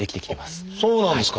あっそうなんですか！